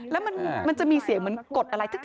แล้วมันจะมีเสียงเหมือนกดอะไร